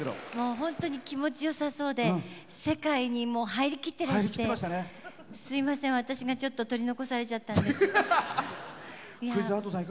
本当に気持ちよさそうで世界に入りきってらしてすいません、私がちょっと取り残されちゃったんです。